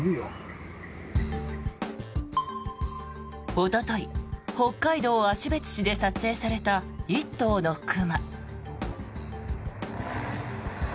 おととい、北海道芦別市で撮影された１頭の熊。